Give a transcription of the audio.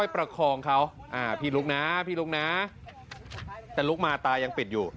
ประคองเขาพี่ลุกนะพี่ลุกนะแต่ลุกมาตายังปิดอยู่